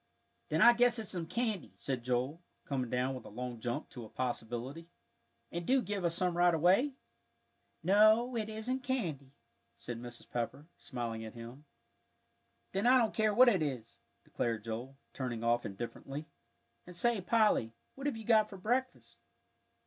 "Then I guess it's some candy," said Joel, coming down with a long jump to a possibility; "and do give us some right away." "No, it isn't candy," said Mrs. Pepper, smiling at him. "Then I don't care what it is," declared Joel, turning off indifferently; "and say, Polly, what have you got for breakfast?"